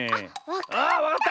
あっわかった！